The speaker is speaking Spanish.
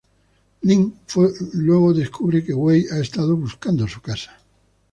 Ling luego descubre que Wai ha estado buscando su casa.